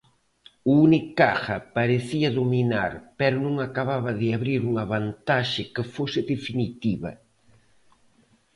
O Unicaja parecía dominar pero non acababa de abrir unha vantaxe que fose definitiva.